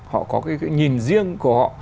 họ có cái nhìn riêng của họ